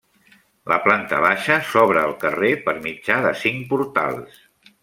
La planta baixa s'obre al carrer per mitjà de cinc portals.